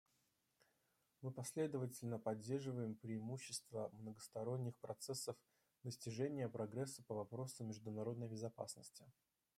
Мы последовательно поддерживаем преимущества многосторонних процессов достижения прогресса по вопросам международной безопасности.